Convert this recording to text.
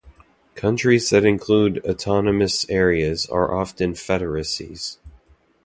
Countries that include autonomous areas are often federacies.